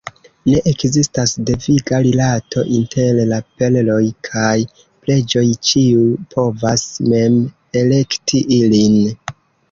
Ne ekzistas deviga rilato inter la perloj kaj preĝoj, ĉiu povas mem elekti ilin.